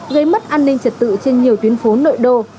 gây mất an ninh trật tự trên nhiều tuyến phố nội đô